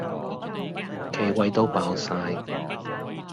企位都爆哂